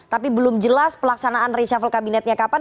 tapi belum jelas pelaksanaan reshuffle kabinetnya kapan